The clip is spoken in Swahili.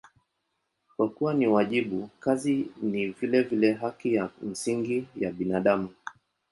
Kwa kuwa ni wajibu, kazi ni vilevile haki ya msingi ya binadamu.